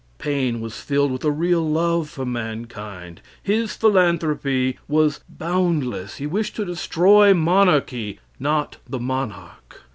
Paine was filled with a real love for mankind. His philanthropy was boundless. He wished to destroy monarchy not the monarch.